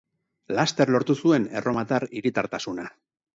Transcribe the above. Laster lortu zuen erromatar hiritartasuna.